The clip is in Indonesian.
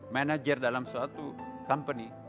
manager dalam suatu company